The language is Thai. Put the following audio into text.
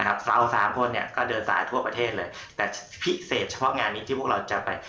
เราสามคนเนี่ยก็เดินสายทั่วประเทศเลยแต่พิเศษเฉพาะงานนี้ที่พวกเราจะไป